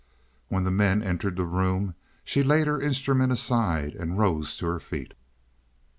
When the men entered the room she laid her instrument aside and rose to her feet.